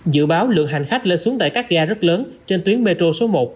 dự báo lượng hành khách lên xuống tại các ga rất lớn trên tuyến metro số một